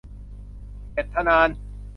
เจ็ดทะนาน